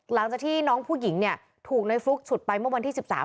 หลังจากที่น้องผู้หญิงเนี่ยถูกในฟลุ๊กฉุดไปเมื่อวันที่๑๓